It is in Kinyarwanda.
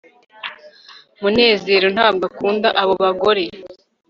munezero ntabwo akunda abo bagore